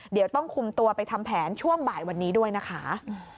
เดี๋ยวต้องคุมตัวไปทำแผนช่วงบ่ายวันนี้ด้วยนะคะ